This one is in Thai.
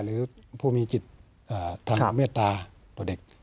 หรือผู้มีจิตทางเมตตาต่อเด็ก